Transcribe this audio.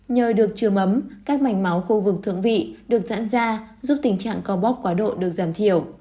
nhờ được chươm ấm các mảnh máu khu vực thượng vị được dãn ra giúp tình trạng co bóp quá độ được giảm thiểu